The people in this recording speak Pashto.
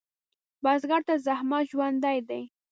بزګر ته زحمت ژوند دی